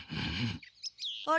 あれ？